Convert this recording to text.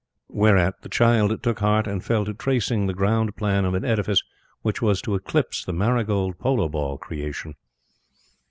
Whereat the child took heart and fell to tracing the ground plan of an edifice which was to eclipse the marigold polo ball creation.